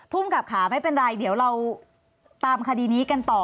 ภูมิกับค่ะไม่เป็นไรเดี๋ยวเราตามคดีนี้กันต่อ